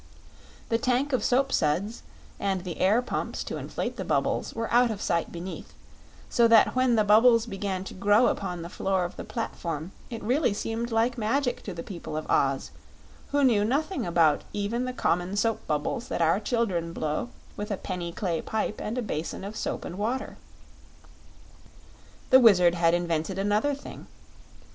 The tank of soapsuds, and the air pumps to inflate the bubbles, were out of sight beneath, so that when the bubbles began to grow upon the floor of the platform it really seemed like magic to the people of Oz, who knew nothing about even the common soap bubbles that our children blow with a penny clay pipe and a basin of soap and water. The Wizard had invented another thing.